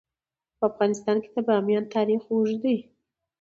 په افغانستان کې د بامیان تاریخ اوږد دی.